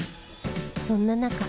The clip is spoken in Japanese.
そんな中。